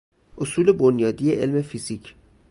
اصول بنیادی علم فیزیک